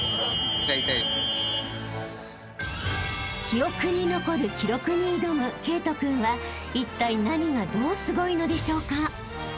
［記憶に残る記録に挑む慧登君はいったい何がどうすごいのでしょうか？］